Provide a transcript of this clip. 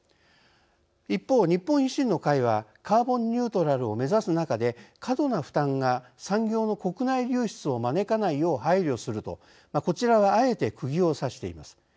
一方、日本維新の会は「カーボンニュートラルを目指す中で過度な負担が産業の国外流出を招かないよう配慮する」とこちらはあえてくぎをさしています。